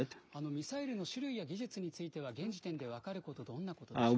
ミサイルの種類や技術については現時点で分かること、どんなことでしょうか。